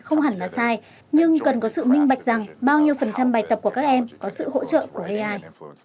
không hẳn là sai nhưng cần có sự minh bạch rằng bao nhiêu phần trăm bài tập của các em có sự hỗ trợ của ai